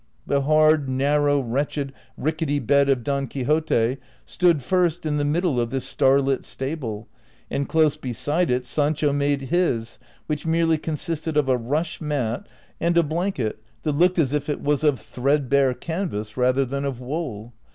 The hard, nar row, wretched, rickety bed of Don Quixote stood first in the middle of this star lit stable,'^ and close beside it Sancho made his, Avhich merely consisted of a rush inat and a blanket that looked as if it was of threadbare canvas, rather than of wool.